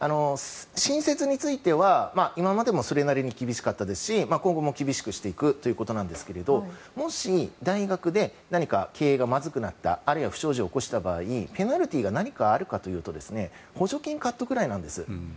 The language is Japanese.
新設については今までもそれなりに厳しかったですし今後も厳しくしていくということなんですがもし大学で何か経営がまずくなったあるいは不祥事を起こした場合ペナルティーが何かあるかというと補助金カットぐらいなんです。